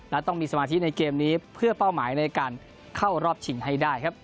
และต้องมีสมาธิในเกมนี้เพื่อเป้าหมายในการเข้ารอบชิงให้ได้ครับ